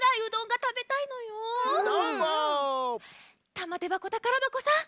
たまてばこたからばこさん